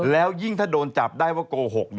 แล้วยิ่งถ้าโดนจับได้ว่าโกหก